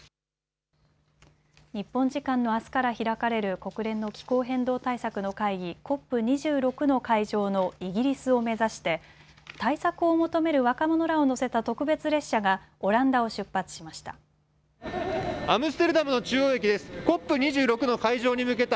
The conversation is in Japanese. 日本時間のあすから開かれる国連の気候変動対策の会議、ＣＯＰ２６の会場のイギリスを目指して対策を求める若者らを乗せた特別列車がオランダを出発しました。